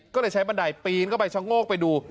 ก็เลยใช้บันไดปีนเข้าไปชะโงกไปดู